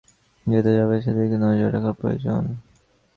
সেটা যাতে থাকে সেদিকে নজর রাখা প্রয়োজন।